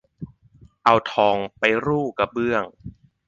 เอาทองไปรู่กระเบื้อง